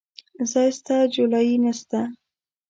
ځاى سته ، جولايې نسته.